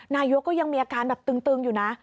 นายกก็ยังมีอาการแบบตึงอยู่นะ